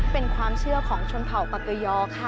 เป็นความเชื่อของชนเผ่าปากเกยอค่ะ